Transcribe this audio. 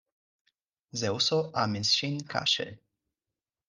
Zeŭso amis ŝin kaŝe.